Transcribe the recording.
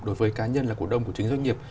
đối với cá nhân là cổ đông của chính doanh nghiệp